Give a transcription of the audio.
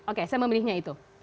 oke saya memilihnya itu